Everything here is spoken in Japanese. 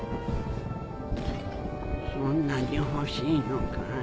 そんなに欲しいのかい？